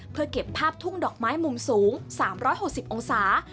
เพื่อเก็บภาพทุ่งดอกไม้มุมสูง๓๖๐องศา